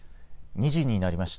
２時になりました。